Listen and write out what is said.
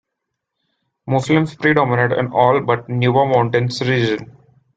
Muslims predominate in all but Nuba Mountains region.